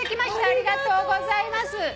ありがとうございます。